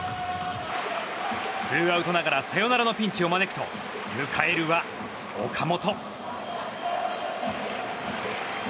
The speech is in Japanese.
ツーアウトながらサヨナラのピンチを招くと迎えるは岡本。